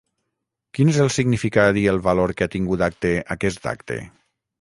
Quin és el significat i el valor que ha tingut acte aquest acte?